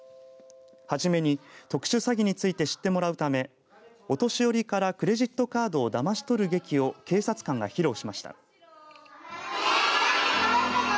初めに特殊詐欺について知ってもらうためお年寄りからクレジットカードをだまし取る劇を警察官が披露しました。